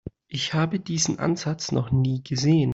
Ich habe diesen Ansatz noch nie gesehen.